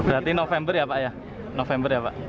berarti november ya pak ya november ya pak